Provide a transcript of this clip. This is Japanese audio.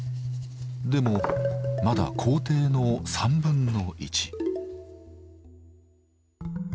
でもまだ工程の３分の１。